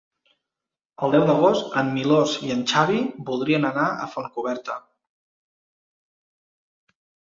El deu d'agost en Milos i en Xavi voldrien anar a Fontcoberta.